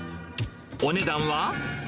お値段は？